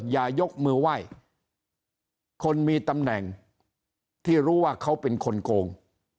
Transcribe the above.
อย่ายกมือไหว้คนมีตำแหน่งที่รู้ว่าเขาเป็นคนโกง